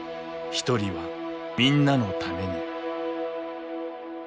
「一人はみんなのために」。